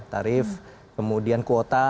tarif kemudian kuota